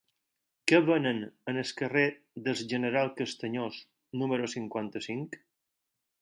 Què venen al carrer del General Castaños número cinquanta-cinc?